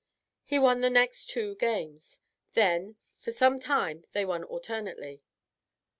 He won the next two games, then for some time they won alternately.